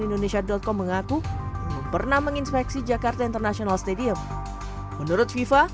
indonesia com mengaku belum pernah menginspeksi jakarta international stadium menurut fifa